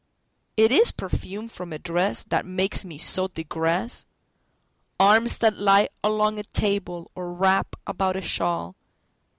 Is it perfume from a dressThat makes me so digress? Arms that lie along a table, or wrap about a shawl.